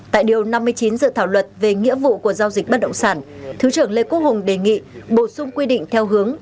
tại điều năm mươi chín dự thảo luật về nghĩa vụ của giao dịch bất động sản thứ trưởng lê quốc hùng đề nghị bổ sung quy định theo hướng